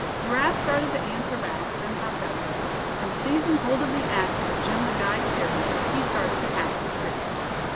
Giraffe started to answer back; then thought better of it; and seizing hold of the axe that Jim the guide carried, he started to hack the tree.